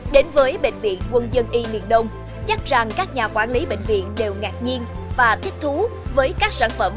đến với bệnh viện quân dân y miền đông chắc rằng các nhà quản lý bệnh viện đều ngạc nhiên và thích thú với các sản phẩm